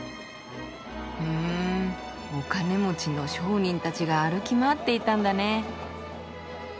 ふんお金持ちの商人たちが歩き回っていたんだね。